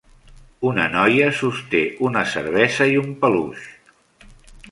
Una noia sosté una cervesa i un peluix.